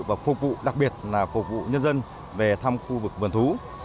và phục vụ đặc biệt là phục vụ nhân dân về thăm khu vực vườn thú